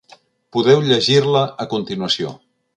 Podeu llegir-la a continuació.